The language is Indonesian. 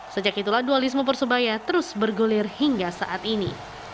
sejak itulah dualisme persebaya terus bergulir hingga saat ini